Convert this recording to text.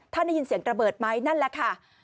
ได้ยินเสียงระเบิดไหมนั่นแหละค่ะ